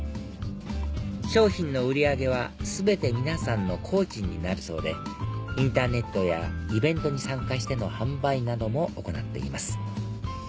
商品の売り上げは全て皆さんの工賃になるそうでインターネットやイベントに参加しての販売なども行っています